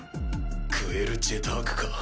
グエル・ジェタークか。